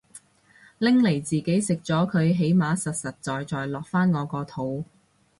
拎嚟自己食咗佢起碼實實在在落返我個肚